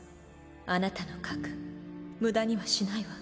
あなたの核無駄にはしないわ。